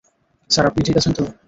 Sir, আপনি ঠিক আছেন তো?